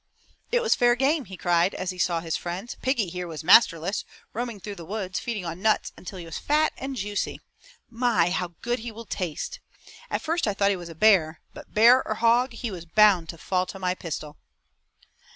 "It was fair game," he cried, as he saw his friends. "Piggy here was masterless, roaming around the woods feeding on nuts until he was fat and juicy! My, how good he will taste! At first I thought he was a bear, but bear or hog he was bound to fall to my pistol!"